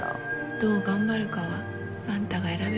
どう頑張るかはあんたが選べるんだよ。